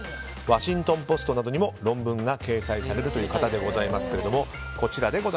ワシントン・ポストなどにも論文が掲載されるという方でございますけれども。